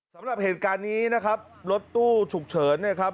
สำหรับเหตุการณ์นี้นะครับ